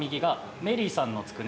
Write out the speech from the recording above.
「メリーさんのつくね」ね。